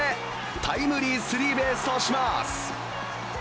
タイムリースリーベースとします。